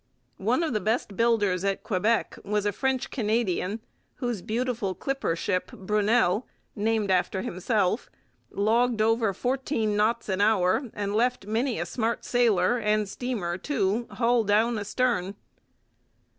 One of the best builders at Quebec was a French Canadian, whose beautiful clipper ship Brunelle, named after himself, logged over fourteen knots an hour and left many a smart sailer, and steamer too, hull down astern.